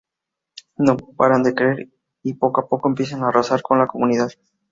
No paran de crecer y poco a poco empiezan a arrasar con la comunidad.